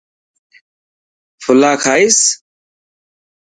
ڦلا کائيس.